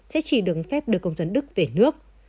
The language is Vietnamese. sẽ chỉ được phép đưa công dân đức về nước